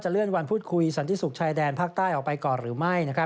เลื่อนวันพูดคุยสันติสุขชายแดนภาคใต้ออกไปก่อนหรือไม่